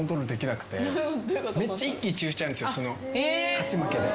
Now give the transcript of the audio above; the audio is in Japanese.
勝ち負けで。